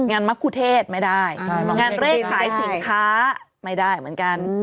มะคุเทศไม่ได้งานเลขขายสินค้าไม่ได้เหมือนกัน